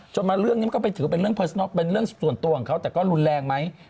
มาเรื่องนี้มันก็ไปถือเป็นเรื่องส่วนตัวของเขาแต่ก็รุนแรงไหม